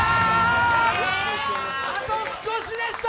あと少しでした。